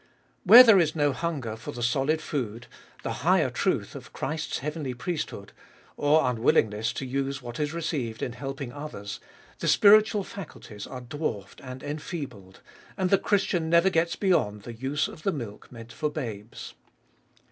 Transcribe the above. Where there is no hunger for the solid food (the higher truth of Christ's heavenly priesthood), or unwillingness to use what is received in helping others, the spiritual faculties are dwarfed and enfeebled, and the Christian never gets beyond the use of the milk meant for babes.